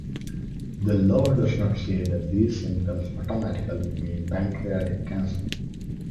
The law does not say that these symptoms automatically mean pancreatic cancer.